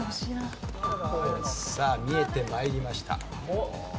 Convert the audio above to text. さあ見えて参りました。